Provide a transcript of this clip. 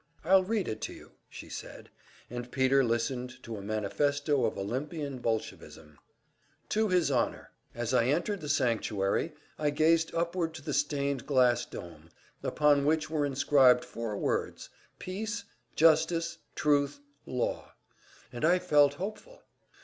"I'll read it to you," she said, and Peter listened to a manifesto of Olympian Bolshevism To His Honor: As I entered the sanctuary, I gazed upward to the stained glass dome, upon which were inscribed four words: Peace. Justice. Truth. Law and I felt hopeful.